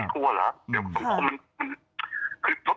แม่ไม่กลัวเหรอ